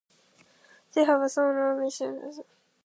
They have a son, Ian Washam, and a daughter, Amy Masterson.